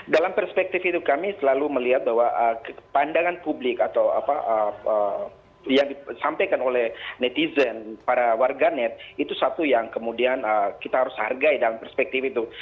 dalam perspektif itu kami selalu melihat bahwa pandangan publik atau apa yang disampaikan oleh netizen para warganet itu satu yang kemudian kita harus hargai dalam perspektif itu